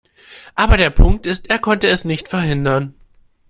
Aber der Punkt ist, er konnte es nicht verhindern.